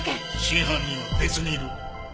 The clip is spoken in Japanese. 真犯人は別にいる。